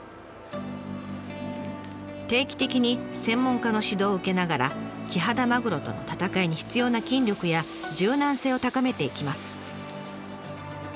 定期的に専門家の指導を受けながらキハダマグロとの戦いに必要な筋力や柔軟性を高めていきます。